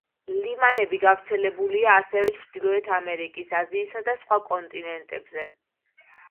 ლიმანები გავრცელებულია ასევე ჩრდილოეთ ამერიკის, აზიისა და სხვა კონტინენტებზე.